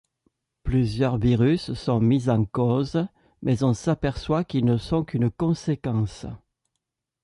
Plusieurs virus sont mis en cause, mais on s'aperçoit qu'ils ne sont qu'une conséquence.